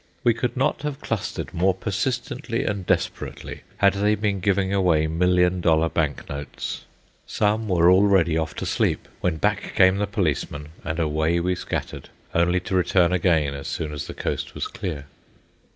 We could not have clustered more persistently and desperately had they been giving away million dollar bank notes. Some were already off to sleep, when back came the policeman and away we scattered only to return again as soon as the coast was clear.